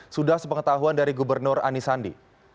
sudah sepengetahuan dari gubernur anis andi